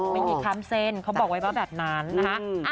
ไม่มีข้ามเส้นเขาบอกไว้ว่าแบบนั้นนะคะ